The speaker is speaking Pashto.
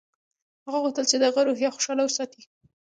هغه غوښتل چې د هغه روحیه خوشحاله وساتي